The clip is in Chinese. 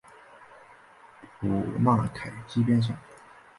普纳凯基边上。